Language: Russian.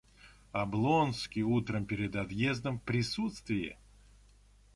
Облонский утром перед отъездом в присутствие.